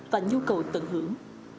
và nhu cầu tận hưởng